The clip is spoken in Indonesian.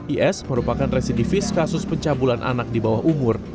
is merupakan residivis kasus pencabulan anak di bawah umur